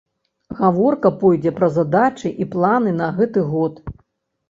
Гаворка пойдзе пра задачы і планы на гэты год.